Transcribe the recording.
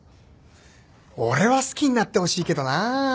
俺は好きになってほしいけどな。